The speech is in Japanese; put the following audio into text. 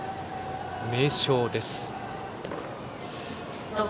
名将です。